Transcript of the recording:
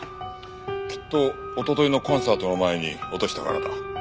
きっと一昨日のコンサートの前に落としたからだ。